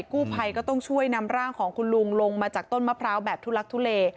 กู้ภัยก็ต้องช่วยนำร่างของคุณลุงลงมาจากต้นมะพร้าวแบบทุลักทุเล